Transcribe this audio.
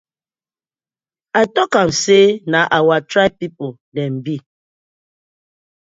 I tok am say na our tribe people dem bi.